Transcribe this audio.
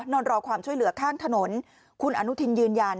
นอนรอความช่วยเหลือข้างถนนคุณอนุทินยืนยัน